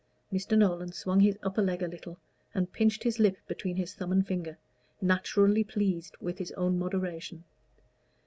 Mr. Nolan swung his upper leg a little, and pinched his lip between his thumb and finger, naturally pleased with his own moderation.